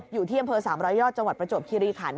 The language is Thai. อยู่ที่อำเภอ๓๐๐ยอดจังหวัดประจวบคิริขัน